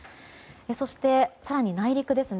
そして更に内陸ですね